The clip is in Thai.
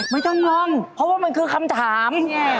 ไม่ต้องงงเพราะว่ามันคือคำถาม